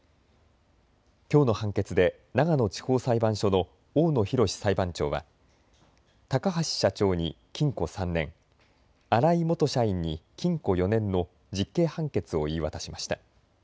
きょうの判決で長野地方裁判所の大野洋裁判長は高橋社長に禁錮３年、荒井元社員に禁錮４年の実刑判決を言い渡しました。